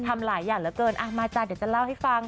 ทำหลายอย่างเหลือเกินมาจ้ะเดี๋ยวจะเล่าให้ฟัง